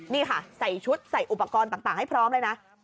นี่ค่ะใส่ชุดใส่อุปกรณ์ต่างให้พร้อมเลยนะ